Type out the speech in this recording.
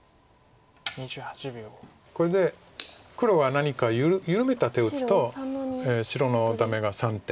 これで黒が何か緩めた手を打つと白のダメが３手。